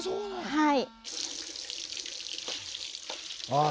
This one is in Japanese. はい。